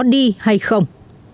đi hay không